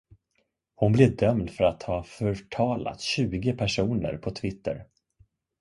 Hon blev dömd för att ha förtalat tjugo personer på Twitter.